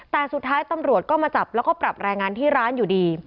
แต่สุดท้ายตำรวจก็มาจับแล้วก็ปรับแรงงานที่ร้านอยู่ดี